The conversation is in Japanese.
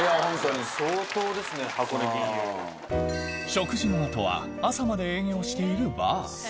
食事の後は朝まで営業しているバー